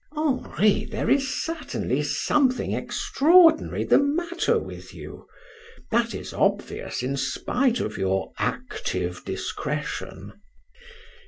"Henri, there is certainly something extraordinary the matter with you; that is obvious in spite of your active discretion."